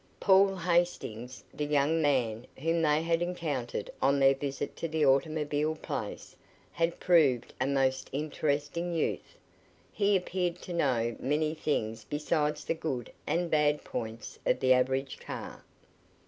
Paul Hastings, the young man whom they had encountered on their visit to the automobile place, had proved a most interesting youth he appeared to know many things besides the good and bad points of the average car.